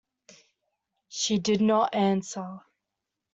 She did not answer.